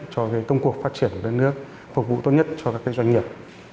cho công cuộc phát triển của đất nước phục vụ tốt nhất cho các doanh nghiệp